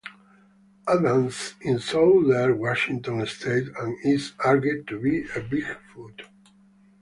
Adams in southern Washington state and is argued to be a bigfoot.